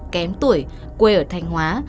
kém tuổi quê ở thành hóa